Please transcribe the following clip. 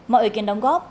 mọi ý kiến đóng góp